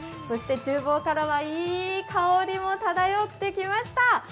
そしてちゅう房からはいい香りも漂ってきました。